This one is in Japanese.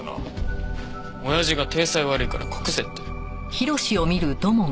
親父が体裁悪いから隠せって。